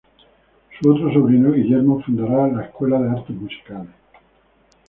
Su otro sobrino, Guillermo, fundará la Escuela de Artes Musicales.